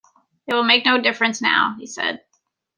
"It will make no difference now," he said.